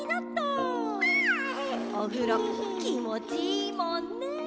おふろきもちいいもんね。